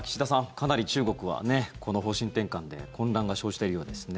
かなり中国はこの方針転換で混乱が生じているようですね。